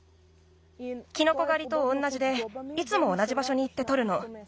キノコがりとおんなじでいつもおなじばしょにいってとるの。